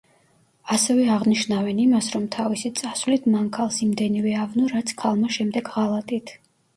ასევე აღნიშნავს იმას, რომ თავისი წასვლით მან ქალს იმდენივე ავნო, რაც ქალმა შემდეგ ღალატით.